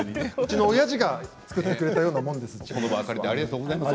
おやじが作ってくれたようなものなんです。